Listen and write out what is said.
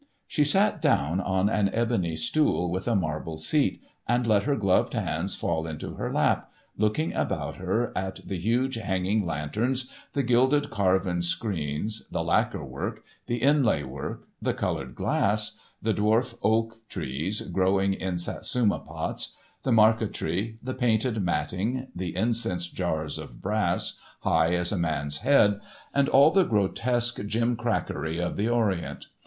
She sat down on an ebony stool with its marble seat, and let her gloved hands fall into her lap, looking about her at the huge hanging lanterns, the gilded carven screens, the lacquer work, the inlay work, the coloured glass, the dwarf oak trees growing in Satsuma pots, the marquetry, the painted matting, the incense jars of brass, high as a man's head, and all the grotesque jim crackery of the Orient.